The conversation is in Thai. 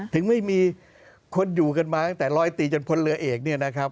ถึงไม่มีคนอยู่กันมาตะรอยตีผนเรือเอกเนี่ยนะครับ